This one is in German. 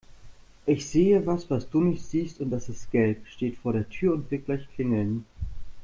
Ich sehe was, was du nicht siehst und das ist gelb, steht vor der Tür und wird gleich klingeln.